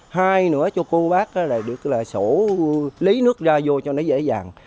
hai nữa cho cô bác là được là sổ lý nước ra vô cho nó dễ dàng